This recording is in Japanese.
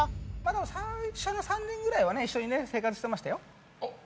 最初の３年ぐらいは一緒に生活してましたよ。